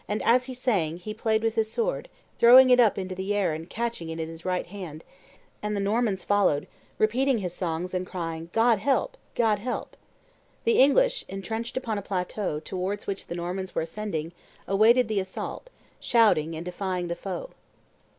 As he sang, he played with his sword, throwing it up into the air and catching it in his right hand; and the Normans followed, repeating his songs, and crying, "God help! God help!" The English, intrenched upon a plateau towards which the Normans were ascending, awaited the assault, shouting, and defying the foe.